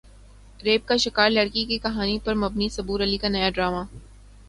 rape کا شکار لڑکی کی کہانی پر مبنی صبور علی کا نیا ڈراما